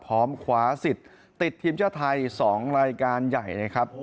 พร้อมขวาสิทธิ์ติดทีมชาติไทย๒รายการใหญ่นะครับ